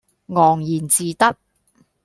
昂然自得